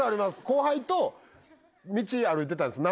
後輩と道歩いてたんです